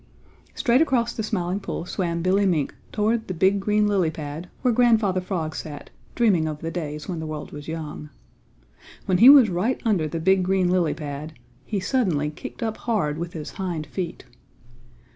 Straight across the Smiling Pool swam Billy Mink toward the big green lily pad where Grandfather Frog sat dreaming of the days when the world was young. When he was right under the big green lily pad he suddenly kicked up hard with his hind feet.